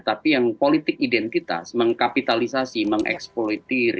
tapi yang politik identitas mengkapitalisasi mengeksploitir